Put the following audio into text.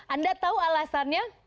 anda tahu alasannya